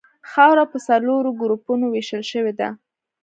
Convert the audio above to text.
خاوره په څلورو ګروپونو ویشل شوې ده